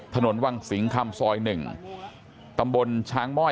ถนนวังสิงคำซอย๑ตำบลช้างม่อย